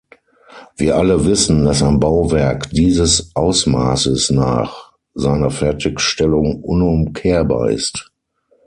Wir alle wissen, dass ein Bauwerk dieses Ausmaßes nach seiner Fertigstellung unumkehrbar ist.